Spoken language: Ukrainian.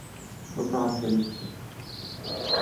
"Врангелівці"